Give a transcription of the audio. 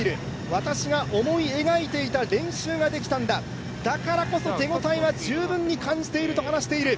渡しが思い描いていた練習ができたんだ、だからこそ手応えは十分に感じていると話している。